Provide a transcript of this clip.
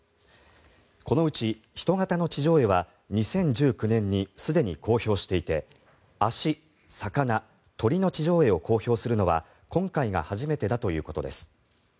このうち、人型の地上絵は２０１９年にすでに公表していて脚、魚、鳥の地上絵を公表するのは今回が初めてだということです。